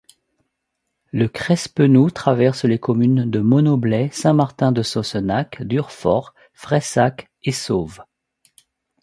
Le Crespenou traverse les communes de Monoblet, Saint-Martin-de-Sossenac, Durfort, Fressac et Sauve.